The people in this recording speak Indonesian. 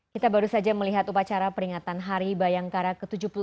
kita baru saja melihat upacara peringatan hari bayangkara ke tujuh puluh delapan